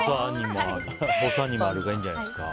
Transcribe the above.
ぼさにまるがいいんじゃないですか。